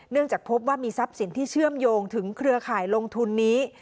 จากพบว่ามีทรัพย์สินที่เชื่อมโยงถึงเครือข่ายลงทุนนี้